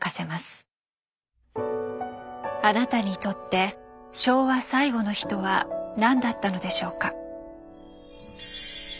あなたにとって「昭和最後の日」とは何だったのでしょうか？